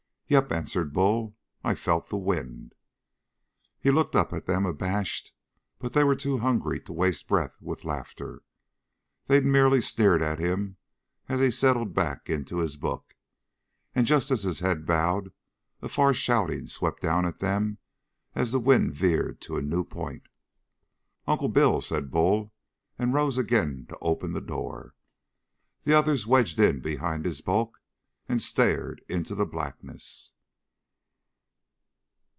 "Yep," answered Bull, "I felt the wind." He looked up at them, abashed, but they were too hungry to waste breath with laughter. They merely sneered at him as he settled back into his book. And, just as his head bowed, a far shouting swept down at them as the wind veered to a new point. "Uncle Bill!" said Bull and rose again to open the door. The others wedged in behind his bulk and stared into the blackness.